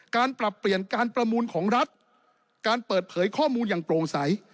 การปรับเปลี่ยนการประมูลของรัฐการเปิดเผยข้อมูลอย่างโปร่งใส